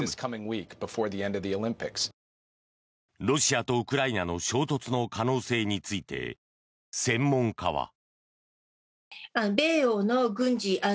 ロシアとウクライナの衝突の可能性について専門家は。